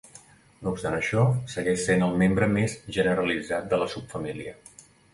No obstant això, segueix sent el membre més generalitzat de la subfamília.